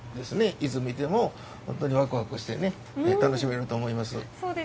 いつ見ても本当にワクワクしてね楽しめると思います。